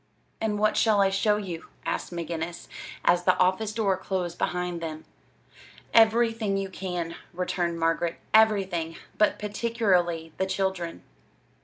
"And what shall I show you?" asked McGinnis, as the office door closed behind them. "Everything you can," returned Margaret; "everything! But particularly the children."